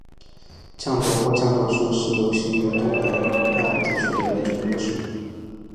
降头或降头术是流行于东南亚地区的一种巫术。